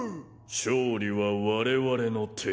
勝利は我々の手に。